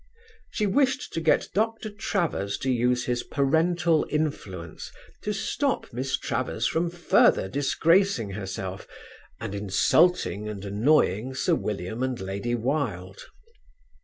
She wished to get Dr. Travers to use his parental influence to stop Miss Travers from further disgracing herself and insulting and annoying Sir William and Lady Wilde.